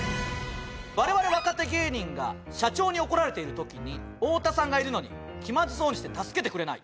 我々若手芸人が社長に怒られているときに太田さんがいるのに気まずそうにして助けてくれない